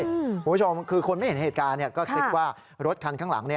คุณผู้ชมคือคนไม่เห็นเหตุการณ์ก็คิดว่ารถคันข้างหลัง